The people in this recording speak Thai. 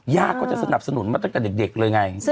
ย่าก็จะสนับสนุนมาตั้งแต่เด็กเลยไง